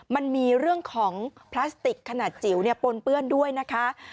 มันมีเรื่องของพลาสติกขนาดจิ๋วปนเปื้อนด้วยนะคะ